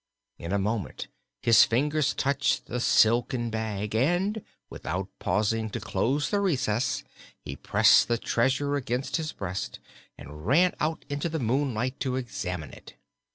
In a moment his fingers touched the silken bag and, without pausing to close the recess, he pressed the treasure against his breast and ran out into the moonlight to examine it.